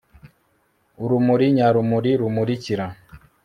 urumuri nyarumuri, rumurikira